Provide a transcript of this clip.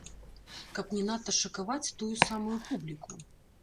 Каб не надта шакаваць тую самую публіку.